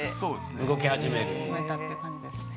動き始める？始めたって感じですね。